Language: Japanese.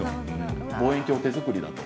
望遠鏡は手作りだと。